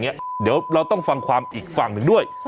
เดี๋ยวเราต้องฟังความอีกฝั่งหนึ่งด้วย